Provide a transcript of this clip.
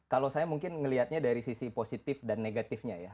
kalau saya mungkin melihatnya dari sisi positif dan negatifnya ya